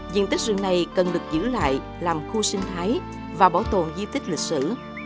diện tích rừng này cần được giữ lại làm khu sinh thái và bảo tồn di tích lịch sử